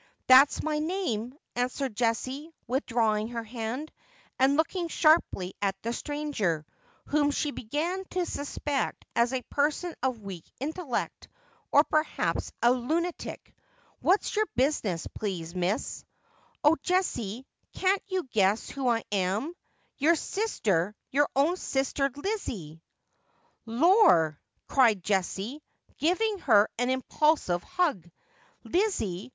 'That's my name,' answered Jessie, withdrawing her hand, and looking sharply at the stranger, whom she began to suspect as a person of weak intellect, or perhaps a lunatic. ' "What's your business, please, miss V ' Oh, Jessie, can't you guess who I am? Your kister, your own sister Lizzie !'' Lor !' cried Jessie, giving her an impulsive hug. 'Lizzie !